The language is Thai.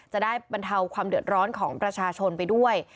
บรรเทาความเดือดร้อนของประชาชนไปด้วย